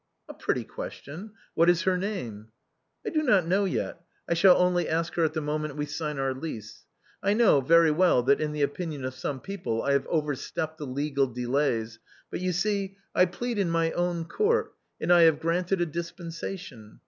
"A pretty question — what is her name ?"" I do not know yet, I shall only ask her at the moment we sign our lease. I know very well that in the opinion of some people I have overstepped tlie legal delays, but you see I plead in my own court, and I have granted a dispensation.